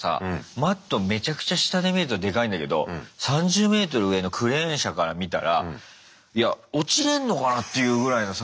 マットめちゃくちゃ下で見るとでかいんだけど３０メートル上のクレーン車から見たらいや落ちれんのかなっていうぐらいのサイズで。